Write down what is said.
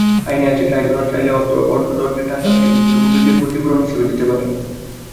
আইনে আছে, ট্রাইব্যুনাল চাইলে অর্থদণ্ডের টাকাটা ভুক্তভোগীকে ক্ষতিপূরণ হিসেবে দিতে পারবেন।